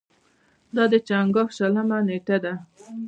دا د چنګاښ شلمه نېټه ده.